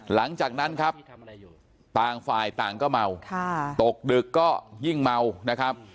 หลังจากนั้นครับต่างฝ่ายต่างก็เมาตกดึกก็ยิ่งเมานะครับ